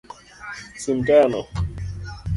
Sim tayano.